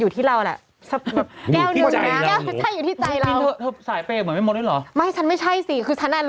เต็มที่ใช่ไหมครับ